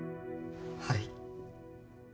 はい。